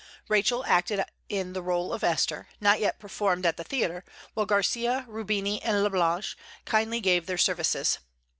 Rachel acted in the rôle of "Esther," not yet performed at the theatre, while Garcia, Rubini, and Lablache kindly gave their services.